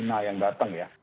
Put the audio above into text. dan lina yang datang ya